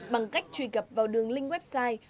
bằng cách truy cập vào đường link website